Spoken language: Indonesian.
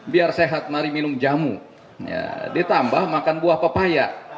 biar sehat mari minum jamu ditambah makan buah pepaya